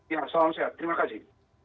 ya salam sehat terima kasih